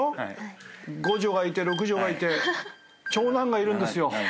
五女がいて六女がいて長男がいるんですよ。